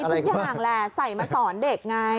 ทุกอย่างแหละใส่มาสอนเด็กไง